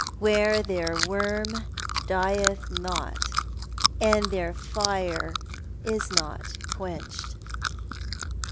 Where their worm dieth not, and their fire is not quenched."